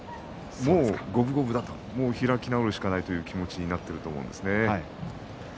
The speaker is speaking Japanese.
もう五分五分だと開き直るしかないという気持ちになっていると思います。